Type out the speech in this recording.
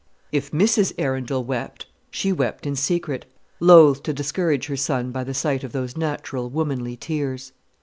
If Mrs. Arundel wept, she wept in secret, loth to discourage her son by the sight of those natural, womanly tears.